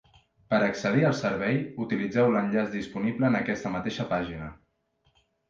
Per accedir al servei, utilitzeu l'enllaç disponible en aquesta mateixa pàgina.